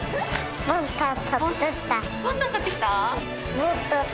ボンタン買ってきた？